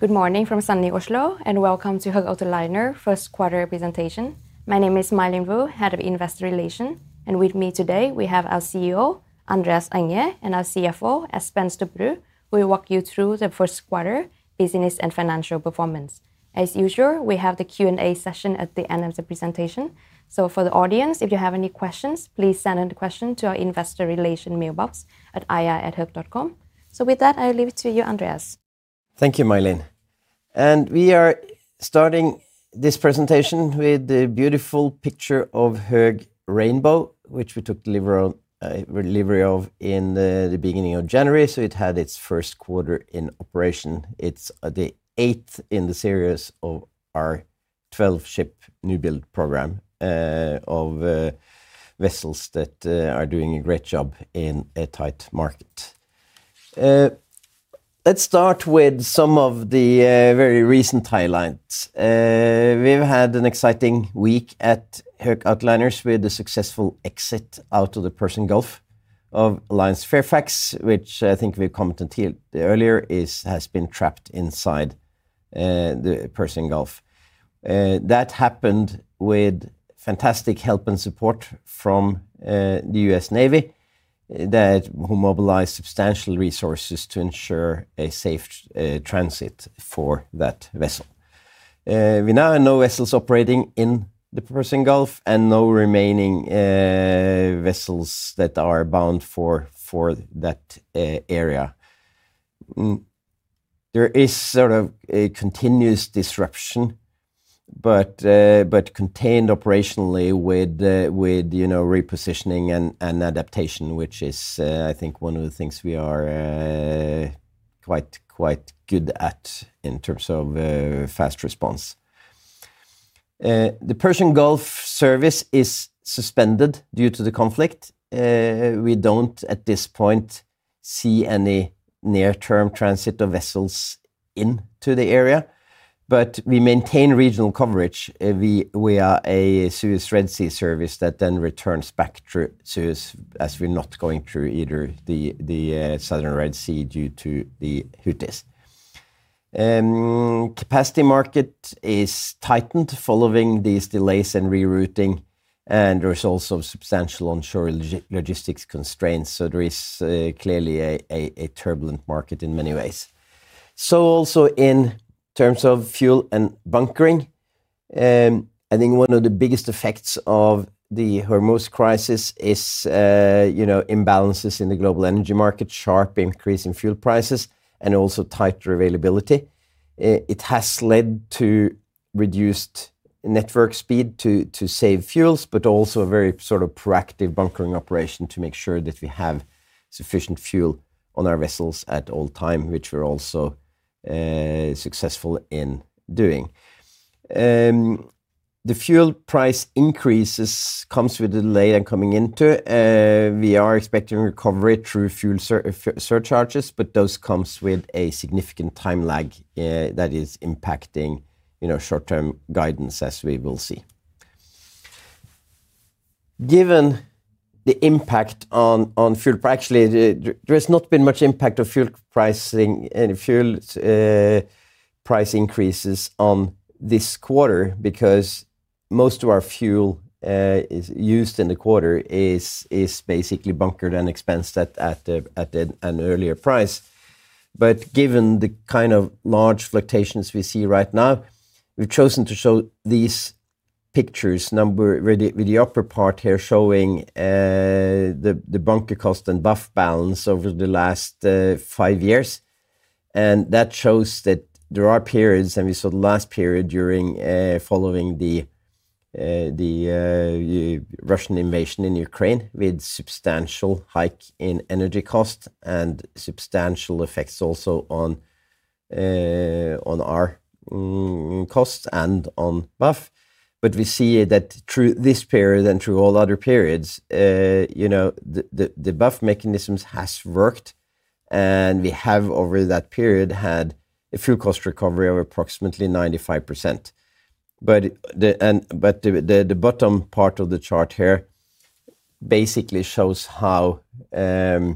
Good morning from sunny Oslo, welcome to Höegh Autoliners First Quarter Presentation. My name is My Linh Vu, Head of Investor Relations, and with me today we have our CEO, Andreas Enger, and our CFO, Espen Stubberud, who will walk you through the first quarter business and financial performance. As usual, we have the Q&A session at the end of the presentation. For the audience, if you have any questions, please send in the question to our Investor Relations mailbox at ir@hoegh.com. With that, I leave it to you, Andreas. Thank you, My Linh. We are starting this presentation with the beautiful picture of Höegh Rainbow, which we took delivery on delivery of in the beginning of January, so it had its first quarter in operation. It's the eighth in the series of our 12-ship new build program of vessels that are doing a great job in a tight market. Let's start with some of the very recent highlights. We've had an exciting week at Höegh Autoliners with the successful exit out of the Persian Gulf of Alliance Fairfax, which I think we commented here earlier, has been trapped inside the Persian Gulf. That happened with fantastic help and support from the U.S. Navy that who mobilized substantial resources to ensure a safe transit for that vessel. We now have no vessels operating in the Persian Gulf and no remaining vessels that are bound for that area. There is sort of a continuous disruption, but contained operationally with, you know, repositioning and adaptation, which is, I think one of the things we are quite good at in terms of fast response. The Persian Gulf service is suspended due to the conflict. We don't at this point see any near-term transit of vessels into the area, but we maintain regional coverage. We are a Suez-Red Sea service that then returns back through Suez as we're not going through either the southern Red Sea due to the Houthis. Capacity market is tightened following these delays and rerouting, and there is also substantial onshore logistics constraints, there is clearly a turbulent market in many ways. Also in terms of fuel and bunkering, I think one of the biggest effects of the Hormuz crisis is, you know, imbalances in the global energy market, sharp increase in fuel prices, and also tighter availability. It has led to reduced network speed to save fuels, but also a very sort of proactive bunkering operation to make sure that we have sufficient fuel on our vessels at all time, which we're also successful in doing. The fuel price increases comes with delay and coming into, we are expecting recovery through fuel surcharges, but those comes with a significant time lag that is impacting, you know, short-term guidance, as we will see. Given the impact on actually, there has not been much impact of fuel pricing and fuel price increases on this quarter because most of our fuel is used in the quarter is basically bunkered and expensed at an earlier price. But given the kind of large fluctuations we see right now, we've chosen to show these pictures. With the upper part here showing, the bunker cost and BAF balance over the last five years. That shows that there are periods, and we saw the last period during following the Russian invasion in Ukraine with substantial hike in energy cost and substantial effects also on our costs and on BAF. We see that through this period and through all other periods, you know, the BAF mechanisms has worked, and we have over that period had a fuel cost recovery of approximately 95%. The bottom part of the chart here basically shows how, you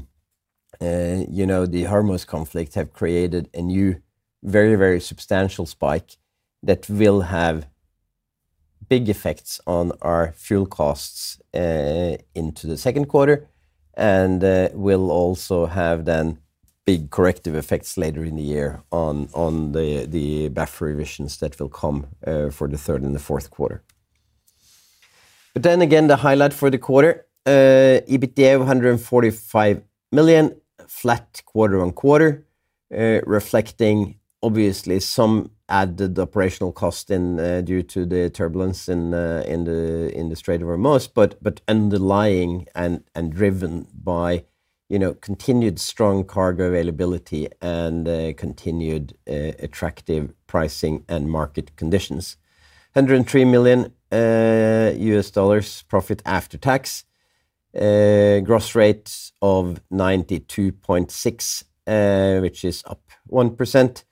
know, the Hormuz conflict have created a new very, very substantial spike that will have big effects on our fuel costs into the second quarter and will also have then big corrective effects later in the year on the BAF revisions that will come for the third and the fourth quarter. The highlight for the quarter, EBITDA of $145 million, flat quarter-on-quarter, reflecting obviously some added operational cost due to the turbulence in the Strait of Hormuz, but underlying and driven by, you know, continued strong cargo availability and continued attractive pricing and market conditions. $103 million profit after tax. Gross rates of $92.6, which is up 1%.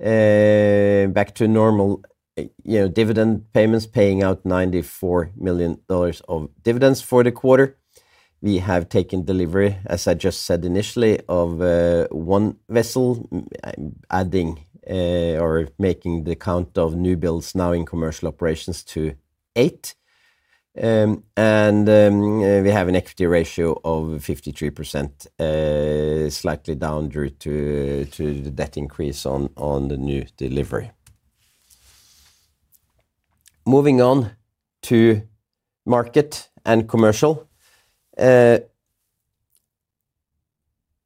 Back to normal, you know, dividend payments, paying out $94 million of dividends for the quarter. We have taken delivery, as I just said initially, of one vessel, adding or making the count of new builds now in commercial operations to eight. We have an equity ratio of 53%, slightly down due to the debt increase on the new delivery. Moving on to market and commercial.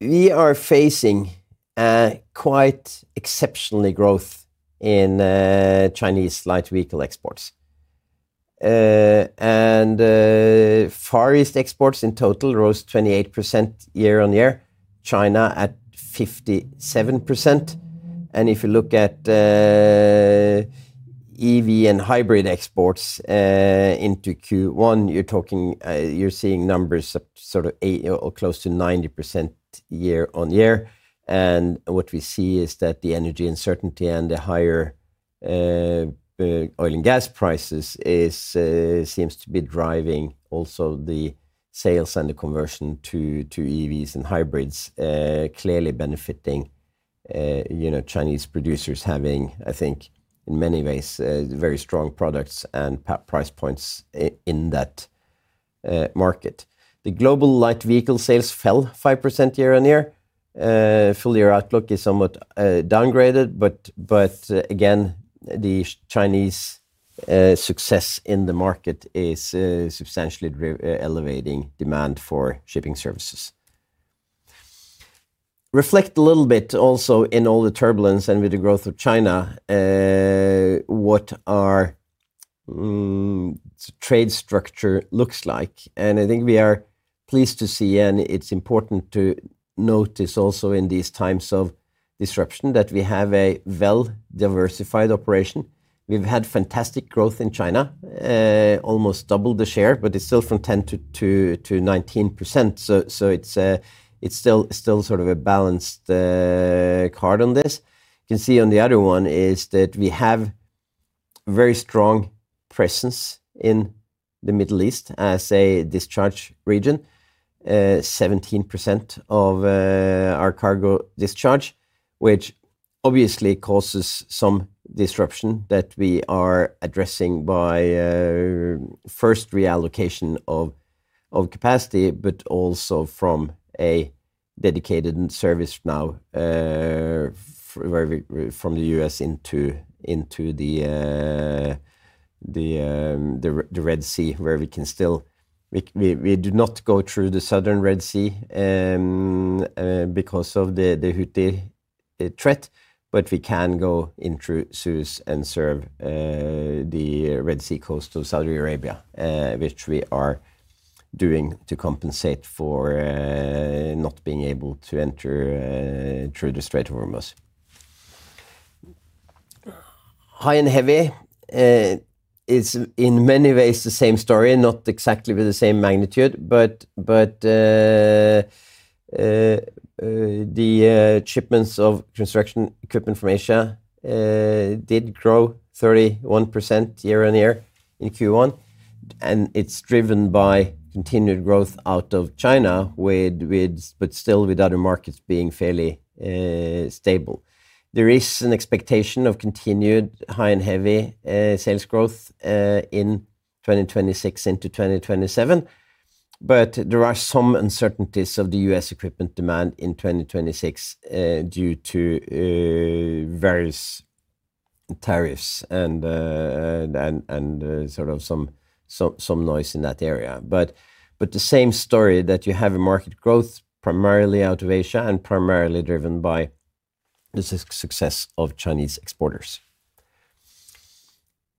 We are facing a quite exceptionally growth in Chinese light vehicle exports. Far East exports in total rose 28% year-on-year, China at 57%. If you look at EV and hybrid exports into Q1, you're talking, you're seeing numbers of sort of 80% or close to 90% year-on-year. What we see is that the energy uncertainty and the higher oil and gas prices seems to be driving also the sales and the conversion to EVs and hybrids, clearly benefiting, you know, Chinese producers having, I think, in many ways, very strong products and price points in that market. The global light vehicle sales fell 5% year-over-year. Full year outlook is somewhat downgraded, but again, the Chinese success in the market is substantially re-elevating demand for shipping services. Reflect a little bit also in all the turbulence and with the growth of China, what our trade structure looks like. I think we are pleased to see, and it's important to notice also in these times of disruption, that we have a well-diversified operation. We've had fantastic growth in China, almost double the share. It's still from 10% to 19%. It's still sort of a balanced card on this. You can see on the other one is that we have very strong presence in the Middle East as a discharge region. 17% of our cargo discharge, which obviously causes some disruption that we are addressing by first reallocation of capacity, but also from a dedicated service now, where we from the U.S. into the Red Sea, where we do not go through the southern Red Sea because of the Houthi threat, but we can go in through Suez and serve the Red Sea coast of Saudi Arabia, which we are doing to compensate for not being able to enter through the Strait of Hormuz. High and heavy is in many ways the same story, not exactly with the same magnitude, but the shipments of construction equipment from Asia did grow 31% year-on-year in Q1, and it's driven by continued growth out of China but still with other markets being fairly stable. There is an expectation of continued high and heavy sales growth in 2026 into 2027. There are some uncertainties of the U.S. equipment demand in 2026 due to various tariffs and sort of some noise in that area. The same story that you have a market growth primarily out of Asia and primarily driven by the success of Chinese exporters.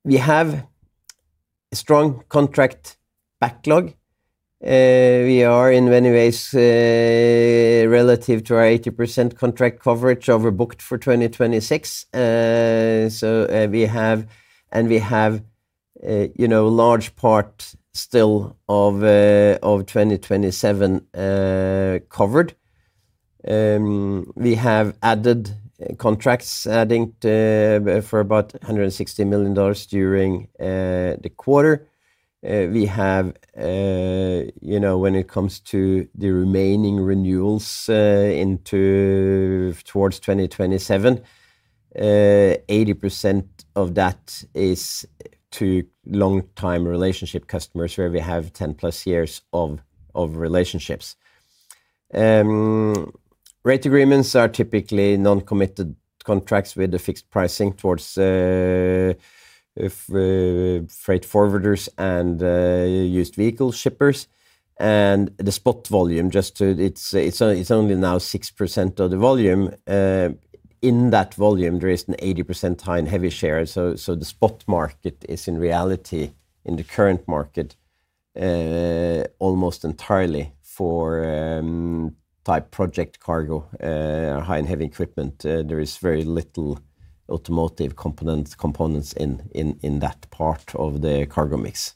We have a strong contract backlog. We are in many ways, relative to our 80% contract coverage overbooked for 2026. We have and we have, you know, a large part still of 2027 covered. We have added contracts adding to for about $160 million during the quarter. We have, you know, when it comes to the remaining renewals, into towards 2027, 80% of that is to longtime relationship customers where we have 10+ years of relationships. Rate agreements are typically non-committed contracts with a fixed pricing towards, if freight forwarders and used vehicle shippers. The spot volume just to it's only now 6% of the volume. In that volume, there is an 80% high and heavy share. The spot market is in reality, in the current market, almost entirely for type project cargo, high and heavy equipment. There is very little automotive components in that part of the cargo mix.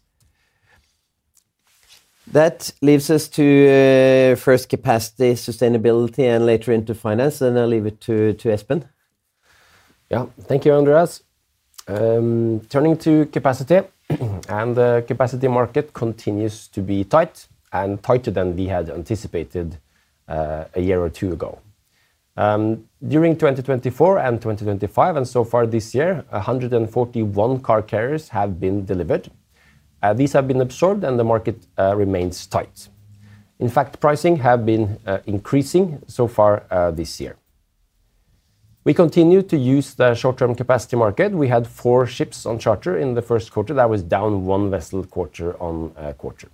That leaves us to first capacity, sustainability, and later into finance. I'll leave it to Espen. Yeah. Thank you, Andreas. The capacity market continues to be tight and tighter than we had anticipated, a year or two ago. During 2024 and 2025, so far this year, 141 car carriers have been delivered. These have been absorbed, the market remains tight. In fact, pricing have been increasing so far this year. We continue to use the short-term capacity market. We had four ships on charter in the first quarter. That was down one vessel quarter-on-quarter.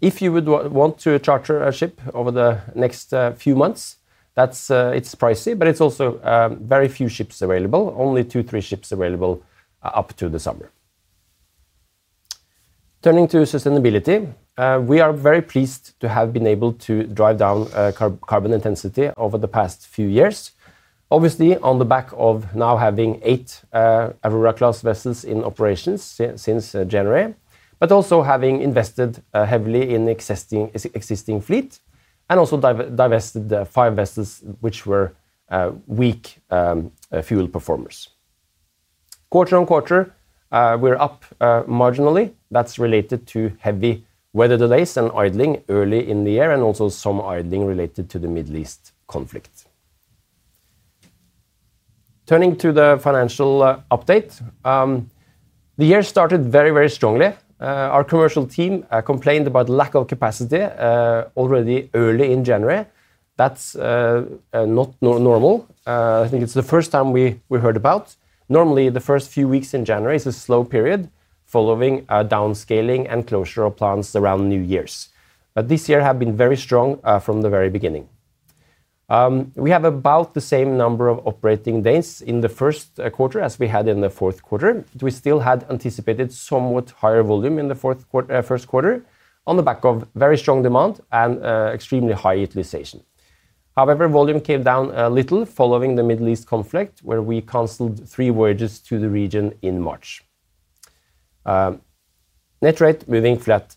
If you would want to charter a ship over the next few months, that's it's pricey, but it's also very few ships available. Only two, three ships available up to the summer. Turning to sustainability, we are very pleased to have been able to drive down carbon intensity over the past few years. Obviously, on the back of now having eight Aurora class vessels in operations since January, but also having invested heavily in existing fleet and also divested the five vessels which were weak fuel performers. Quarter-on-quarter, we're up marginally. That's related to heavy weather delays and idling early in the year and also some idling related to the Middle East conflict. Turning to the financial update, the year started very strongly. Our commercial team complained about lack of capacity already early in January. That's not normal. I think it's the first time we heard about. Normally, the first few weeks in January is a slow period following downscaling and closure of plans around New Year's. This year have been very strong from the very beginning. We have about the same number of operating days in the first quarter as we had in the fourth quarter. We still had anticipated somewhat higher volume in the first quarter on the back of very strong demand and extremely high utilization. However, volume came down a little following the Middle East conflict where we canceled three voyages to the region in March. Net rate moving flat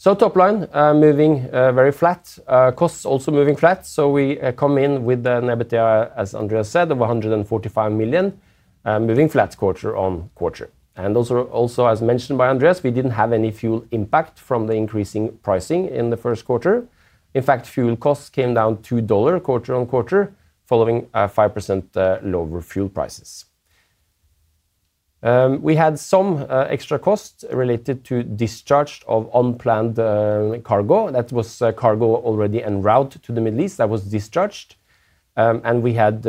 quarter-on-quarter. Top line moving very flat. Costs also moving flat, so we come in with an EBITDA, as Andreas said, of $145 million, moving flat quarter-on-quarter. Also, as mentioned by Andreas, we didn't have any fuel impact from the increasing pricing in the first quarter. In fact, fuel costs came down $2 quarter-on-quarter following 5% lower fuel prices. We had some extra costs related to discharge of unplanned cargo. That was cargo already en route to the Middle East that was discharged. We had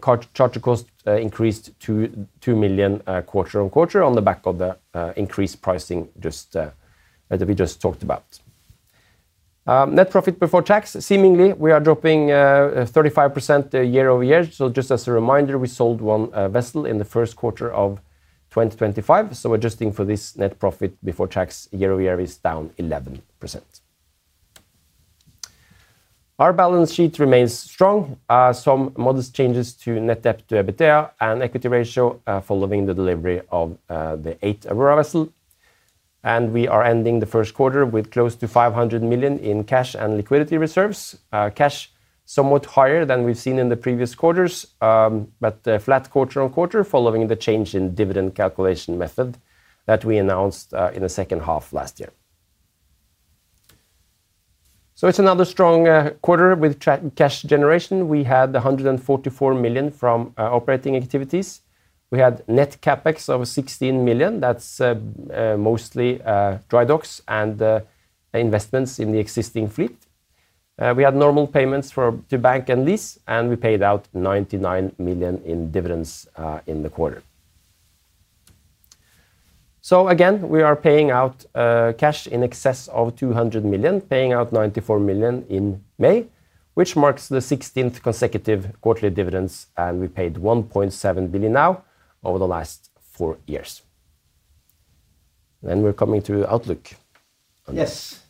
car charter cost increased to $2 million quarter-on-quarter on the back of the increased pricing that we just talked about. Net profit before tax, seemingly we are dropping 35% year-over-year. Just as a reminder, we sold one vessel in the first quarter of 2025, adjusting for this net profit before tax year-over-year is down 11%. Our balance sheet remains strong. Some modest changes to net debt to EBITDA and equity ratio, following the delivery of the eighth Aurora vessel. We are ending the first quarter with close to $500 million in cash and liquidity reserves. Cash somewhat higher than we've seen in the previous quarters, flat quarter-on-quarter following the change in dividend calculation method that we announced in the second half last year. It's another strong quarter with cash generation. We had $144 million from operating activities. We had net CapEx of $16 million. That's mostly dry docks and investments in the existing fleet. We had normal payments for the bank and lease, and we paid out $99 million in dividends in the quarter. Again, we are paying out cash in excess of $200 million, paying out $94 million in May, which marks the 16th consecutive quarterly dividends, and we paid $1.7 billion now over the last four years. We're coming to outlook. Yes.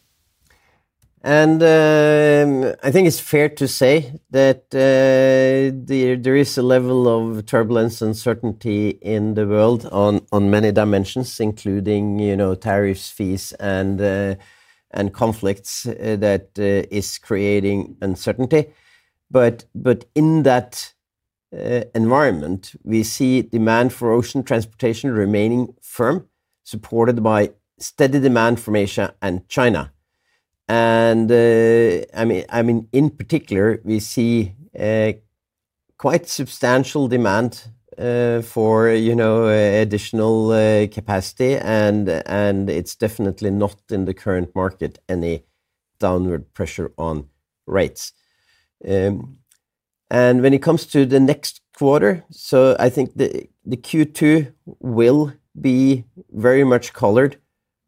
I think it's fair to say that there is a level of turbulence, uncertainty in the world on many dimensions, including, you know, tariffs, fees, and conflicts that is creating uncertainty. But in that environment, we see demand for ocean transportation remaining firm, supported by steady demand from Asia and China. I mean, in particular, we see quite substantial demand for, you know, additional capacity, and it's definitely not in the current market any downward pressure on rates. When it comes to the next quarter, I think the Q2 will be very much colored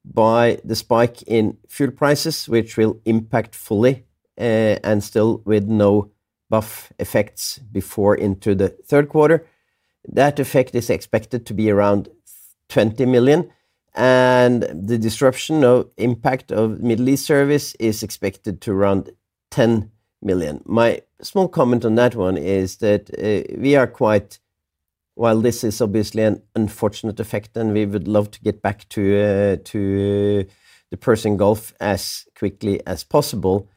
by the spike in fuel prices, which will impact fully and still with no BAF effects before into the third quarter. That effect is expected to be around $15 million-$20 million. The disruption of impact of Middle East service is expected to around $10 million. My small comment on that one is that, while this is obviously an unfortunate effect and we would love to get back to the Persian Gulf as quickly as possible,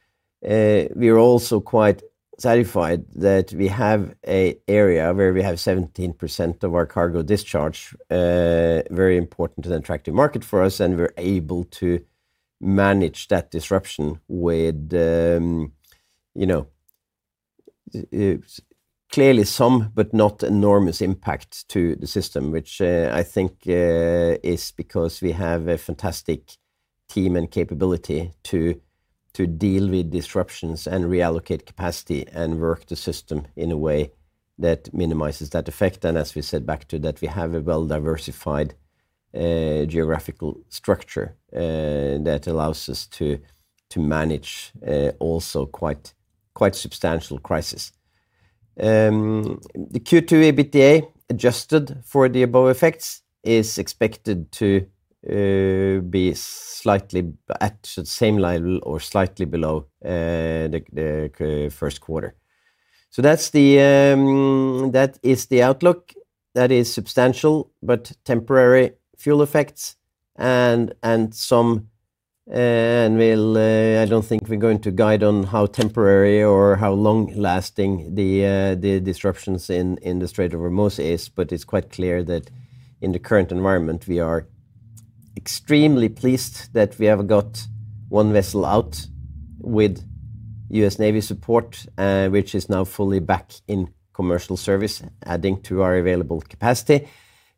we are also quite satisfied that we have a area where we have 17% of our cargo discharge, a very important and attractive market for us, and we're able to manage that disruption with, you know, clearly some but not enormous impact to the system, which, I think, is because we have a fantastic team and capability to deal with disruptions and reallocate capacity and work the system in a way that minimizes that effect. As we said back to that, we have a well-diversified geographical structure that allows us to manage also quite substantial crisis. The Q2 EBITDA adjusted for the above effects is expected to be slightly at the same level or slightly below the first quarter. That is the outlook. That is substantial but temporary fuel effects and some, and we'll, I don't think we're going to guide on how temporary or how long lasting the disruptions in the Strait of Hormuz is, but it's quite clear that in the current environment we are extremely pleased that we have got one vessel out with U.S. Navy support, which is now fully back in commercial service adding to our available capacity.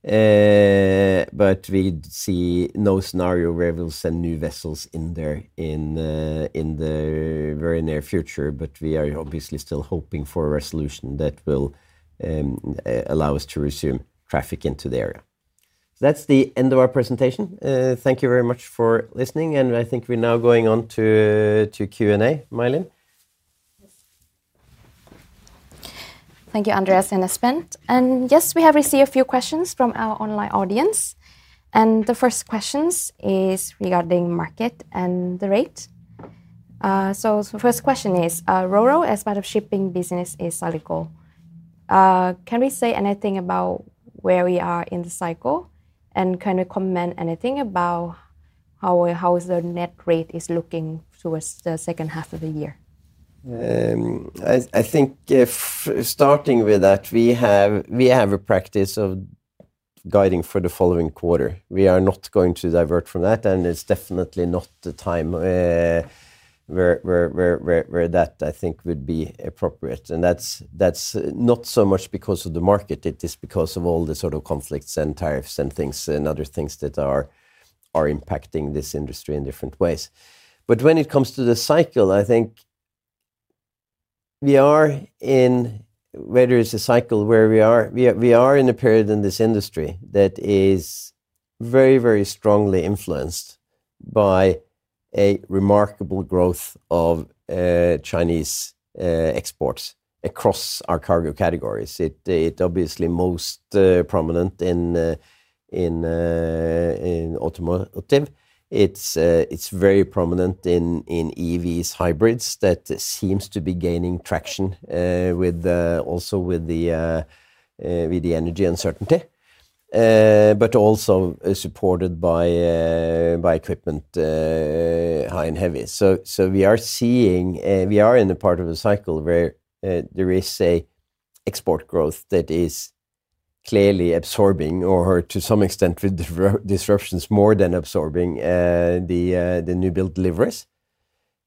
We see no scenario where we'll send new vessels in there in the very near future, but we are obviously still hoping for a resolution that will allow us to resume traffic into the area. That's the end of our presentation. Thank you very much for listening, and I think we're now going on to Q&A, My Linh. Thank you, Andreas and Espen. Yes, we have received a few questions from our online audience, and the first questions is regarding market and the rate. First question is, ro-ro as part of shipping business is cyclical. Can we say anything about where we are in the cycle, and can you comment anything about how is the net rate is looking towards the second half of the year? I think if starting with that, we have a practice of guiding for the following quarter. We are not going to divert from that, and it's definitely not the time where that I think would be appropriate. That's not so much because of the market. It is because of all the sort of conflicts and tariffs and things and other things that are impacting this industry in different ways. When it comes to the cycle, I think we are in, whether it's a cycle where we are in a period in this industry that is very strongly influenced by a remarkable growth of Chinese exports across our cargo categories. It obviously most prominent in automotive. It's very prominent in EVs hybrids that seems to be gaining traction with also with the with the energy uncertainty, but also is supported by equipment high and heavy. We are seeing, we are in the part of a cycle where there is a export growth that is clearly absorbing or to some extent with disruptions more than absorbing the new build deliveries.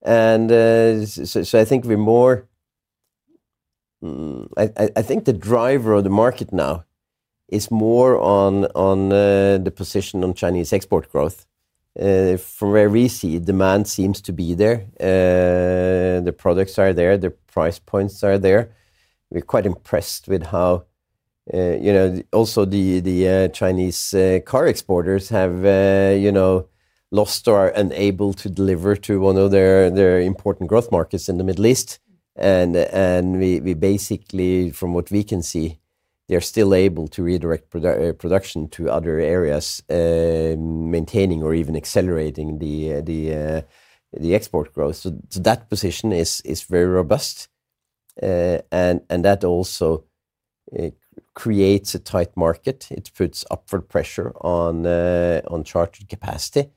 I think we're more I think the driver of the market now is more on the position on Chinese export growth, where we see demand seems to be there. The products are there, the price points are there. We're quite impressed with how, you know, also the Chinese car exporters have, you know, lost or are unable to deliver to one of their important growth markets in the Middle East. We basically, from what we can see, they're still able to redirect production to other areas, maintaining or even accelerating the export growth. That position is very robust. That also, it creates a tight market. It puts upward pressure on chartered capacity.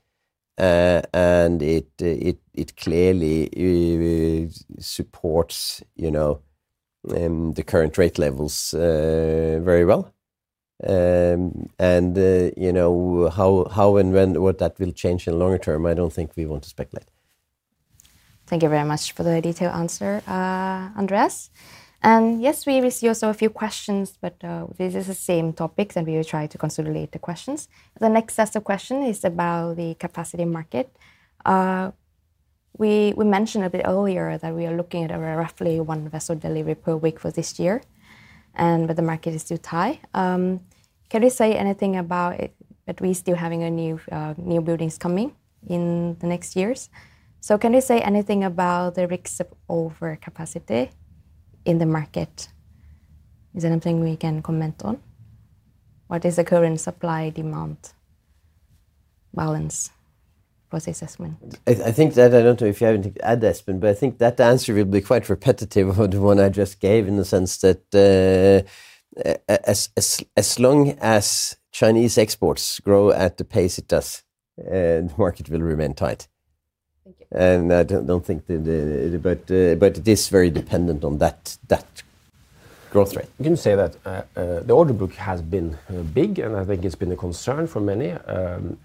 It clearly, it supports, you know, the current rate levels very well. You know, how and when, what that will change in longer term, I don't think we want to speculate. Thank you very much for the detailed answer, Andreas. Yes, we received also a few questions, but this is the same topics, and we will try to consolidate the questions. The next set of question is about the capacity market. We mentioned a bit earlier that we are looking at a roughly one vessel delivery per week for this year, and but the market is still tight. Can you say anything about it, that we still having a new new buildings coming in the next years? Can you say anything about the risk of overcapacity in the market? Is there anything we can comment on? What is the current supply demand balance for assessment? I think that, I don't know if you have anything to add to, Espen, I think that answer will be quite repetitive of the one I just gave in the sense that, as long as Chinese exports grow at the pace it does, the market will remain tight. I don't think that, but it is very dependent on that growth rate. You can say that the order book has been big, and I think it's been a concern for many.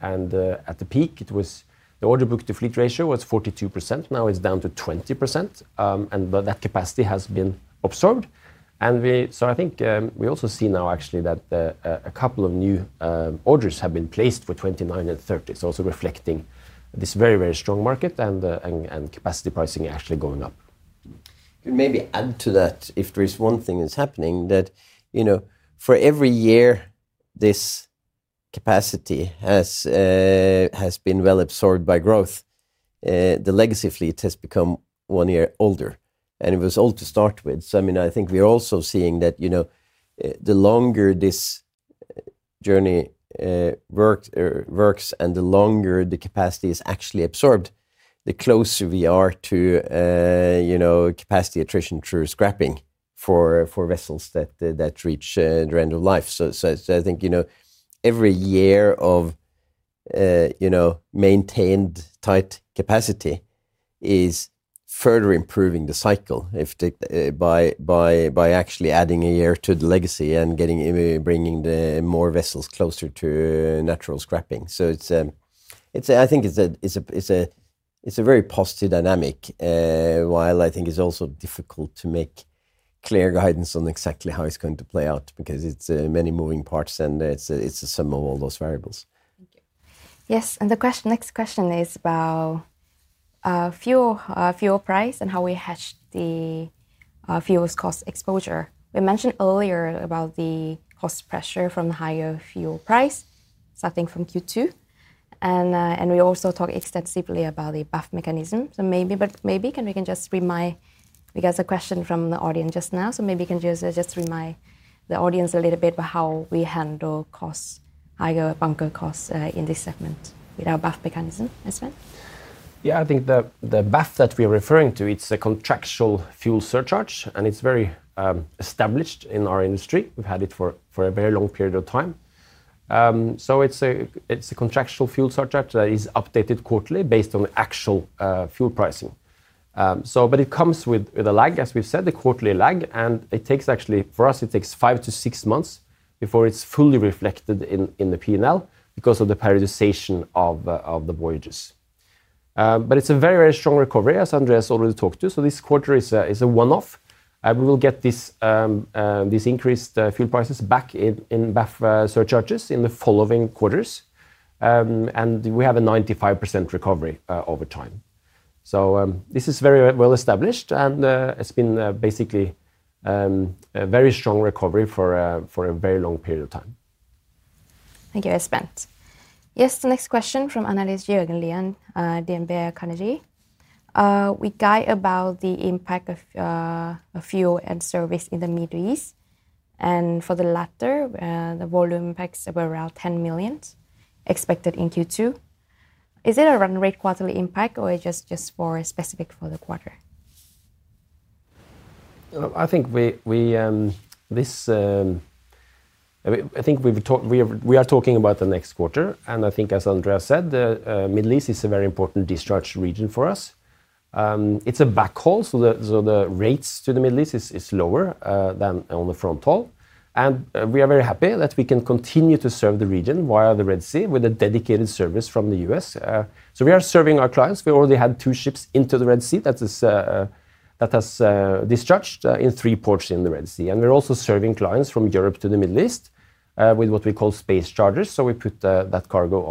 At the peak it was the order book to fleet ratio was 42%, now it's down to 20%. That capacity has been absorbed. I think, we also see now actually that a couple of new orders have been placed for 2029 and 2030, also reflecting this very, very strong market and capacity pricing actually going up. Maybe add to that, if there is one thing that's happening that, you know, for every year this capacity has been well absorbed by growth, the legacy fleet has become one year older, and it was old to start with. I mean, I think we are also seeing that, you know, the longer this journey works or works and the longer the capacity is actually absorbed, the closer we are to, you know, capacity attrition through scrapping for vessels that reach end of life. I think, you know, every year of, you know, maintained tight capacity is further improving the cycle if the by actually adding a year to the legacy and getting bringing the more vessels closer to natural scrapping. I think it's a very positive dynamic. While I think it's also difficult to make clear guidance on exactly how it's going to play out because it's many moving parts and it's a sum of all those variables. Thank you. Yes, the next question is about fuel price and how we hedge the fuels cost exposure. We mentioned earlier about the cost pressure from the higher fuel price starting from Q2, and we also talk extensively about the BAF mechanism. Maybe but maybe can just remind, we got a question from the audience just now, so maybe you can just remind the audience a little bit about how we handle costs, higher bunker costs in this segment with our BAF mechanism. Espen? I think the BAF that we are referring to, it's a contractual fuel surcharge, and it's very established in our industry. We've had it for a very long period of time. It's a contractual fuel surcharge that is updated quarterly based on actual fuel pricing. It comes with a lag, as we've said, a quarterly lag, and it takes actually, for us, it takes five to six months before it's fully reflected in the P&L because of the periodization of the voyages. It's a very strong recovery, as Andreas already talked to. This quarter is a one-off. We will get this increased fuel prices back in BAF surcharges in the following quarters. We have a 95% recovery over time. This is very well established and it's been basically a very strong recovery for a very long period of time. Thank you, Espen. Yes, the next question from analyst, Jørgen Lian, DNB Carnegie. We guide about the impact of fuel and service in the Middle East, and for the latter, the volume impacts of around $10 million expected in Q2. Is it a run rate quarterly impact or just for specific for the quarter? I think we, this, I think we've talked, we are talking about the next quarter, and I think as Andreas said, the Middle East is a very important discharge region for us. It's a backhaul, so the rates to the Middle East is lower than on the front haul. We are very happy that we can continue to serve the region via the Red Sea with a dedicated service from the U.S. We are serving our clients. We already had two ships into the Red Sea that is that has discharged in three ports in the Red Sea. We're also serving clients from Europe to the Middle East with what we call space charters. We put that cargo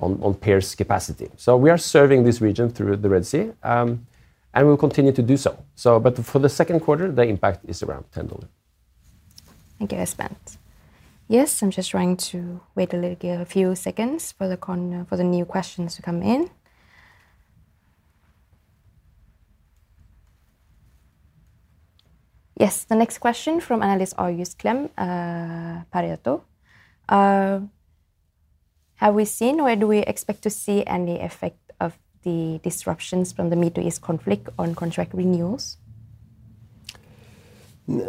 on partners' capacity. We are serving this region through the Red Sea, and we'll continue to do so. For the second quarter, the impact is around $10 million. Thank you, Espen. I'm just trying to wait a little, give a few seconds for the new questions to come in. The next question from analyst, August Klemp, Pareto. Have we seen or do we expect to see any effect of the disruptions from the Middle East conflict on contract renewals?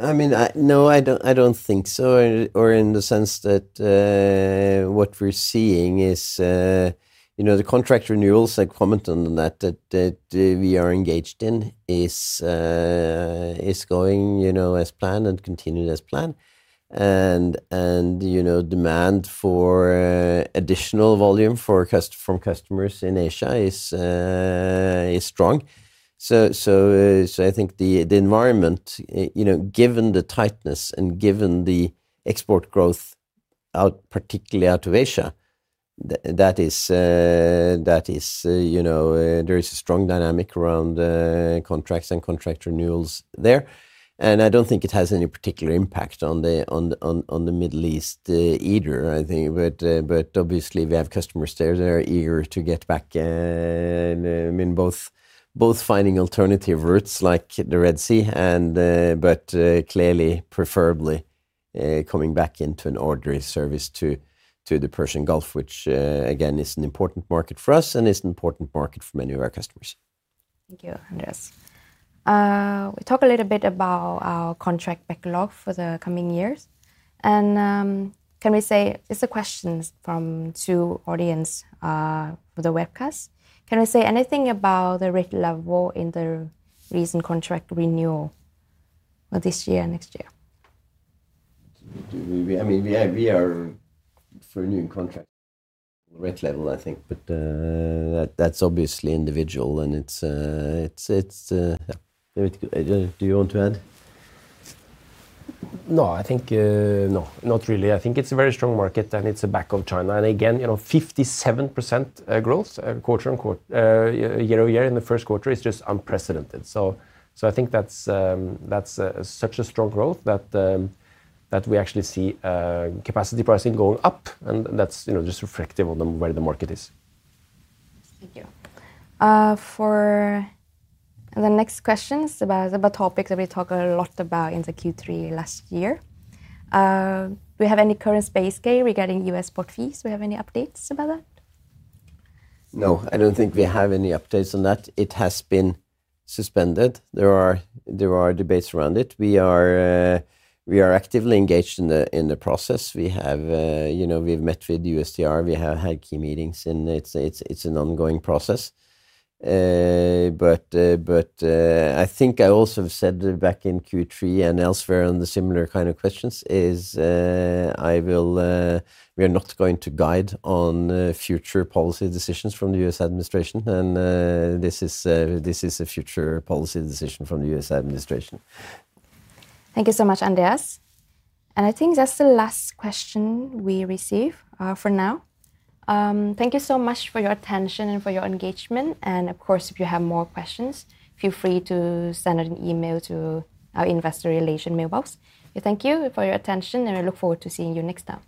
I mean, no, I don't think so or in the sense that what we're seeing is, you know, the contract renewals, like comment on that we are engaged in is going, you know, as planned and continued as planned. You know, demand for additional volume from customers in Asia is strong. So I think the environment, you know, given the tightness and given the export growth out, particularly out to Asia, that is, you know, there is a strong dynamic around contracts and contract renewals there. I don't think it has any particular impact on the Middle East either, I think. Obviously we have customers there that are eager to get back in. I mean, both finding alternative routes like the Red Sea and, clearly preferably, coming back into an ordinary service to the Persian Gulf, which again, is an important market for us and is an important market for many of our customers. Thank you, Andreas. We talk a little bit about our contract backlog for the coming years. It's a question from two audience for the webcast. Can we say anything about the rate level in the recent contract renewal for this year, next year? We, I mean, we are for a new contract rate level, I think, but, that's obviously individual and it's, Espen, Do you want to add? No, I think, no, not really. I think it's a very strong market, and it's a back of China. Again, you know, 57% growth quarter-on-quarter year-over-year in the first quarter is just unprecedented. I think that's such a strong growth that we actually see capacity pricing going up, and that's, you know, just reflective on the, where the market is. Thank you. For the next questions about topics that we talk a lot about in the Q3 last year. Do we have any current space game regarding U.S. port fees? Do we have any updates about that? No, I don't think we have any updates on that. It has been suspended. There are debates around it. We are actively engaged in the process. We have, you know, we've met with USTR, we have had key meetings, and it's an ongoing process. I think I also said back in Q3 and elsewhere on the similar kind of questions is, I will, we are not going to guide on future policy decisions from the U.S. administration. This is a future policy decision from the U.S. administration. Thank you so much, Andreas. I think that's the last question we receive for now. Thank you so much for your attention and for your engagement. Of course, if you have more questions, feel free to send an email to our Investor Relations mailbox. We thank you for your attention, and I look forward to seeing you next time.